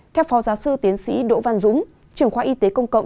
theo phó giáo sư tiến sĩ đỗ văn dũng trưởng khoa y tế công cộng